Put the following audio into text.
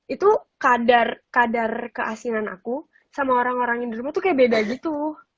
itu kadar keasinan aku sama orang orang di rumah tuh kayak beda gitu